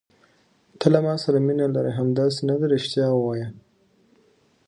ته له ما سره مینه لرې، همداسې نه ده؟ رښتیا وایه.